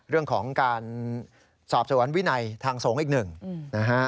เรื่องของการสอบสวนวินัยทางสงฆ์อีกหนึ่งนะฮะ